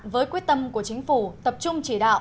với quyết tâm của chính phủ tập trung chỉ đạo